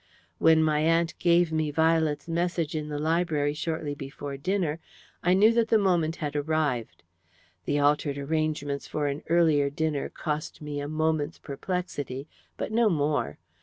"When my aunt gave me Violet's message in the library shortly before dinner I knew that the moment had arrived. The altered arrangements for an earlier dinner cost me a moment's perplexity, but no more.